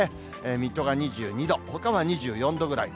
水戸が２２度、ほかは２４度ぐらい。